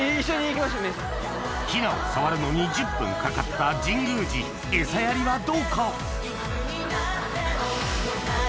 ヒナを触るのに１０分かかった神宮寺エサやりはどうか？